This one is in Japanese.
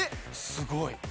すごい。